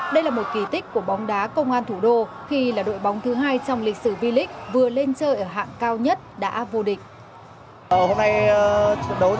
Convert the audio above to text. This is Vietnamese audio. đây là một kỳ tích của bóng đá công an thủ đô khi là đội bóng thứ hai trong lịch sử v league vừa lên chơi ở hạng cao nhất đã vô địch